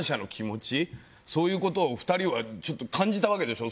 そういうことを２人は感じたわけでしょ？